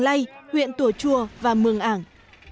lây huyện tùa chùa và mường ảng